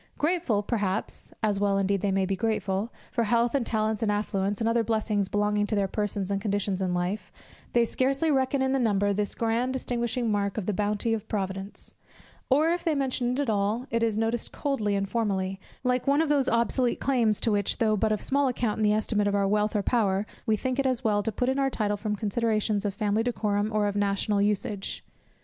Grateful, perhaps, (as well indeed they may be grateful) for health, and talents, and affluence, and other blessings belonging to their persons and conditions in life, they scarcely reckon in the number this grand distinguishing mark of the bounty of Providence; or if they mention it at all, it is noticed coldly and formally, like one of those obsolete claims to which, though but of small account in the estimate of our wealth or power, we think it as well to put in our title from considerations of family decorum or of national usage.